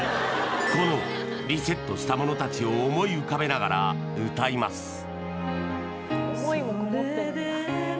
このリセットしたものたちを思い浮かべながら歌います